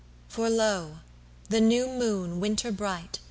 For lo! the New moon winter bright!